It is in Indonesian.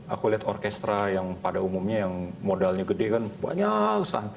aku lihat orkestra yang pada umumnya yang modalnya gede kan banyak